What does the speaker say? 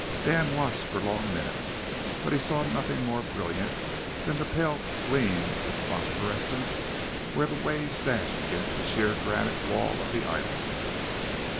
Dan watched for long minutes, but he saw nothing more brilliant than the pale gleam of phosphorescence where the waves dashed against the sheer granite wall of the island.